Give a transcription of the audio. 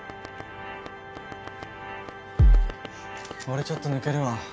俺ちょっと抜けるわ。